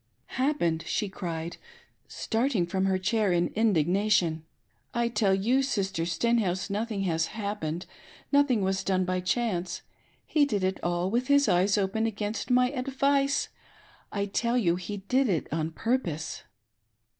" Happened !" she cried, starting from her chair in indigna tion, " I tell you, Sister Stenhouse, nothing has ' happened' — nothing was done by chance — he did it all with his eyes open and against my advice — I tell you he did '\\: on pii.rpose